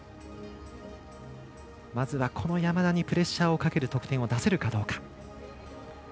まずは山田にプレッシャーをかける得点を出せるかどうか。